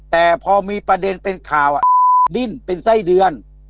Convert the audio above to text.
แต่พอมีประเด็นเป็นข่าวดิ้นเป็นไส้เดือน